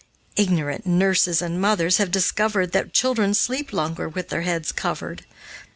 Ignorant nurses and mothers have discovered that children sleep longer with their heads covered.